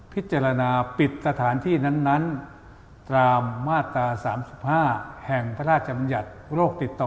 พิจารณาปิดสถานที่นั้นตามมาตรา๓๕แห่งพระราชบัญญัติโรคติดต่อ